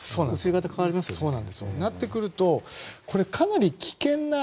そうなってくるとかなり危険な。